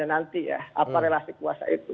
nanti ya apa relasi kuasa itu